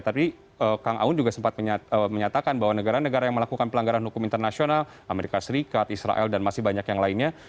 tadi kang aun juga sempat menyatakan bahwa negara negara yang melakukan pelanggaran hukum internasional amerika serikat israel dan masih banyak yang lainnya